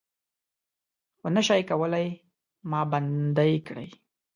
خو نه شئ کولای ما بندۍ کړي